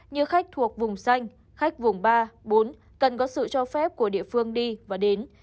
như khách thuộc vùng xanh khách vùng ba bốn cần có sự cho phép của địa phương đi và đến